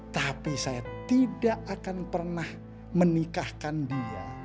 tapi saya tidak akan pernah menikahkan dia